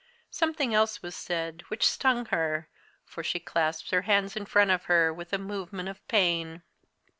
Something else was said, which stung her, for she clasped her hands in front of her, with a movement of pain.